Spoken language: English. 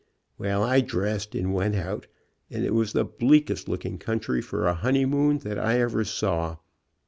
Well, I dressed and went out, and it was the bleakest look ing country for a honeymoon that I ever saw.